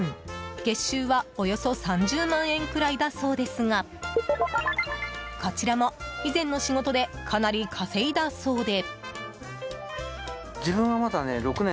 月収は、およそ３０万円くらいだそうですがこちらも以前の仕事でかなり稼いだそうで。